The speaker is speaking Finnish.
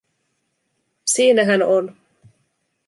Siinä hän on.